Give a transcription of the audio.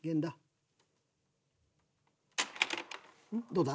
どうだ？